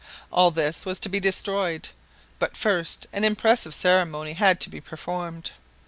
All this was to be destroyed; but first an impressive ceremony had to be performed.